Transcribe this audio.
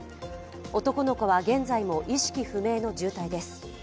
男の子は現在も意識不明の重体です。